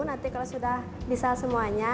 nanti kalau sudah bisa semuanya